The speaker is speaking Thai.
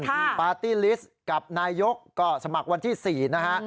ปาร์ตี้ลิสต์กับนายกก็สมัครวันที่๔นะฮะ